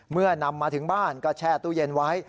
เมื่อนำมาถึงบ้านก็แช่ตู้เย็นไว้